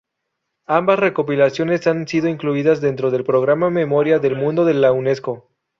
Ambas recopilaciones han sido incluidas dentro del Programa Memoria del Mundo de la Unesco.